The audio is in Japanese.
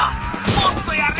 「もっとやれ！